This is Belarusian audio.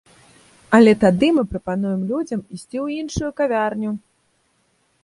Але тады мы прапануем людзям ісці ў іншую кавярню!